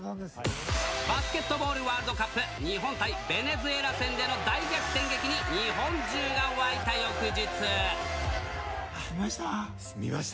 バスケットボールワールドカップ、日本対ベネズエラ戦での大逆転劇に、見ました？